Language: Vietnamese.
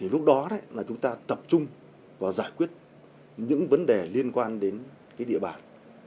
lúc đó chúng ta tập trung vào giải quyết những vấn đề liên quan đến địa bản